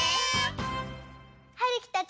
はるきたち